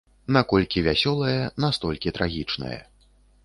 Наколькі вясёлае, настолькі трагічнае.